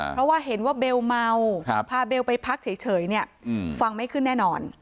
เพราะว่าเห็นว่าเบลเมาพาเบลไปพักเฉยเนี่ยฟังไม่ขึ้นแน่นอน